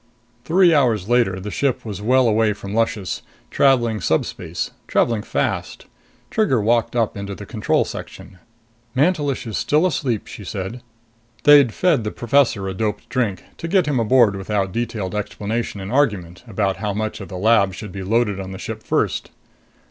Three hours later, the ship was well away from Luscious, traveling subspace, traveling fast. Trigger walked up into the control section. "Mantelish is still asleep," she said. They'd fed the professor a doped drink to get him aboard without detailed explanation and argument about how much of the lab should be loaded on the ship first.